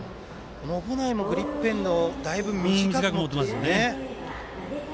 小保内もグリップエンドをだいぶ短く持っていましたね。